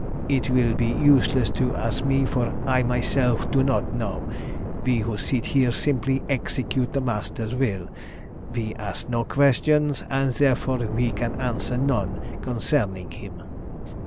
It will be useless to ask me, for I myself do not know. We who sit here simply execute the Master's will. We ask no questions, and therefore we can answer none concerning him."